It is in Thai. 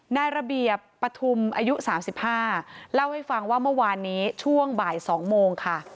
นายระเบียบปฐุมอายุ๓๕เล่าให้ฟังว่าเมื่อวานนี้ช่วงบ่าย๒โมงค่ะ